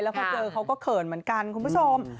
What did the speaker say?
พอเจอเขาก็เขินเหมือนกันคุณผู้ชม